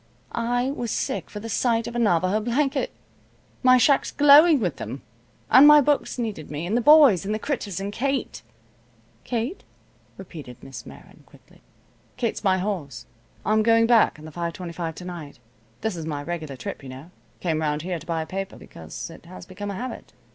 I was sick for the sight of a Navajo blanket. My shack's glowing with them. And my books needed me, and the boys, and the critters, and Kate." "Kate?" repeated Miss Meron, quickly. "Kate's my horse. I'm going back on the 5:25 to night. This is my regular trip, you know. I came around here to buy a paper, because it has become a habit.